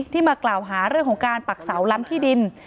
มากล่าวหาเรื่องของการปักเสาล้ำที่ดิน